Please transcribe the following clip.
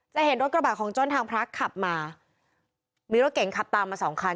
เห็นรถกระบะของจ้อนทางพระขับมามีรถเก่งขับตามมาสองคัน